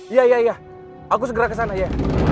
iya iya iya aku segera kesana ya